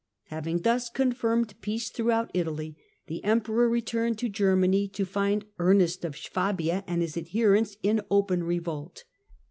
Having thus confirmed peace throughout Italy, the Emperor returned to Germany, to find Ernest of Swabia and his adherents in open revolt.